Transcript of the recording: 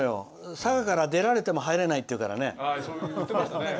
佐賀から出られても入れないって言うからね。